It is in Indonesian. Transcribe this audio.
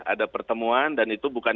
ada pertemuan dan itu bukan